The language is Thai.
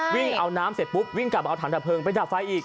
วิ่งเอาน้ำเสร็จปุ๊บวิ่งกลับมาเอาถังดับเพลิงไปดับไฟอีก